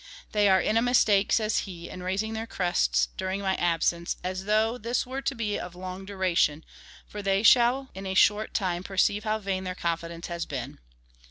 "They are in a mistake," says he, " in raising their crests during my absence, as though this were to be of long duration, for they shall in a short time perceive how vain their confidence has been."